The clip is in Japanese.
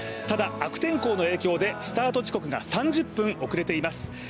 ただ、悪天候の影響でスタート時刻が３０分、遅れています。